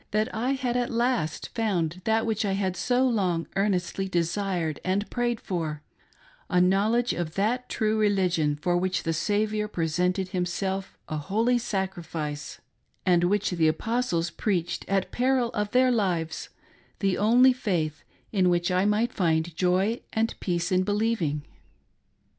that I had at last found that which I had so long earnestly desired and prayed for — a knowledge of that true religion for which the Saviour presented Himself a Holy Sacrifice, and which the Apostles preached at peril of their lives — the onlj/ faith, in which I might find joy and peace in believing.